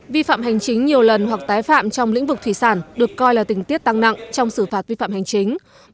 vi phạm hành chính nhiều lần hoặc tái phạm trong lĩnh vực thủy sản được coi là tình tiết tăng nặng trong xử phạt vi phạm hành chính